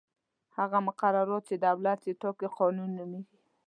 هغه مقررات چې دولت یې ټاکي قانون نومیږي.